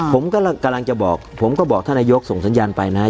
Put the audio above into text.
ผมกำลังจะบอกผมก็บอกท่านนายกส่งสัญญาณไปนะฮะ